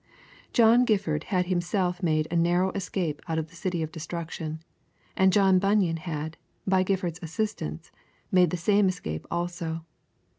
John Gifford had himself made a narrow escape out of the City of Destruction, and John Bunyan had, by Gifford's assistance, made the same escape also.